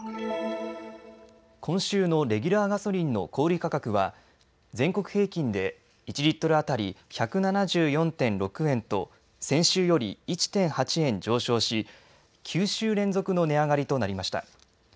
今週のレギュラーガソリンの小売価格は全国平均で１リットル当たり１７４．６円と先週より１．８円上昇し９週連続の値上がりとなりました。